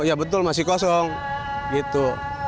ya betul masih kosong gitu